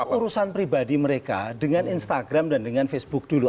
ini loh itu urusan pribadi mereka dengan instagram dan dengan facebook dulu